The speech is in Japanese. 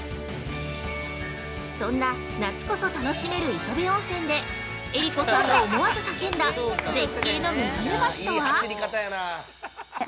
そんな夏こそ楽しめる磯部温泉で、江里子さんが思わず叫んだ絶景のめがね橋とは？